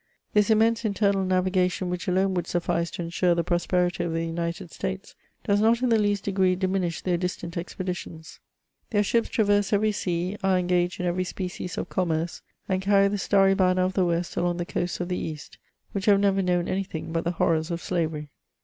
This immense internal navigation, which alone would suffice to ensure the prosperity of the United States, does not in the least degree diminish their distant expeditions. Their ships traverse every sea, are engaged in every species of commerce, and carry the starry banner of the West along the coasts of the East^ which have never known any thing but the horrors of slavery.